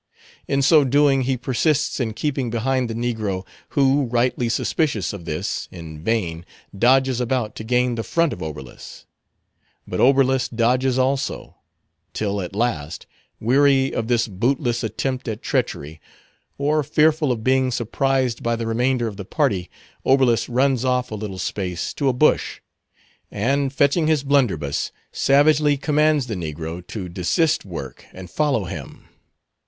In so doing, he persists in keeping behind the negro, who, rightly suspicious of this, in vain dodges about to gain the front of Oberlus; but Oberlus dodges also; till at last, weary of this bootless attempt at treachery, or fearful of being surprised by the remainder of the party, Oberlus runs off a little space to a bush, and fetching his blunderbuss, savagely commands the negro to desist work and follow him.